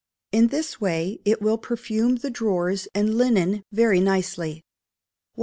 In this way it will perfume the drawers and linen very nicely. 1678.